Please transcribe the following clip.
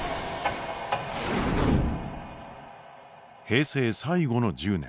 平成最後の１０年。